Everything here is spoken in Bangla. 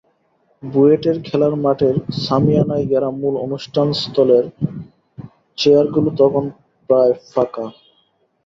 বুয়েটের খেলার মাঠের শামিয়ানায় ঘেরা মূল অনুষ্ঠানস্থলের চেয়ারগুলো তখন প্রায় ফাঁকা।